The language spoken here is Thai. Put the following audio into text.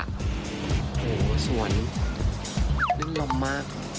โอ้โฮสวนดึงลมมาก